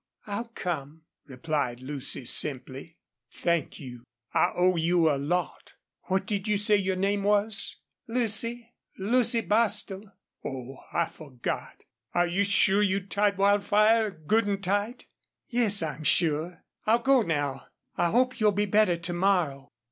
"I'll come," replied Lucy, simply. "Thank you. I owe you a lot.... What did you say your name was?" "Lucy Lucy Bostil." "Oh, I forgot.... Are you sure you tied Wildfire good an' tight?" "Yes, I'm sure. I'll go now. I hope you'll be better to morrow."